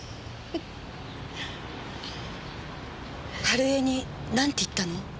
春枝になんて言ったの？